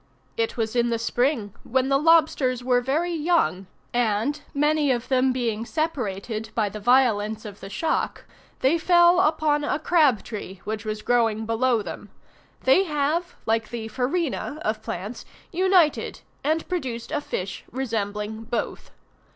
It was in the spring, when the lobsters were very young, and many of them being separated by the violence of the shock, they fell upon a crab tree which was growing below them; they have, like the farina of plants, united, and produced a fish resembling both.